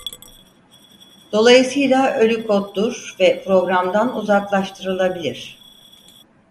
Dolayısıyla ölü koddur ve programdan uzaklaştırılabilir.